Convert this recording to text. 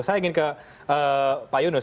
saya ingin ke pak yunus